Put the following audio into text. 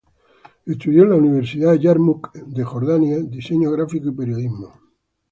Estudió en la Universidad Yarmuk en Jordania diseño gráfico y periodismo.